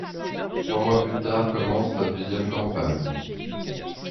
Trois mois plus tard commence la deuxième campagne.